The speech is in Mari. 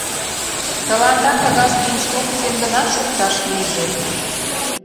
Тыланда кагаз инструкцийым гына шукташ лийже!